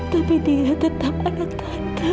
tapi dia tetap anak tangga